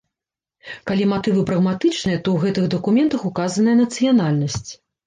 Калі матывы прагматычныя, то ў гэтых дакументах указаная нацыянальнасць.